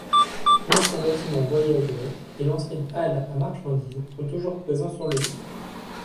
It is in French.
L'ancien bâtiment voyageurs et l'ancienne halle à marchandises sont toujours présents sur le site.